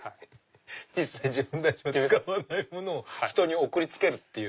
実際使わないものを人に送りつけるっていう。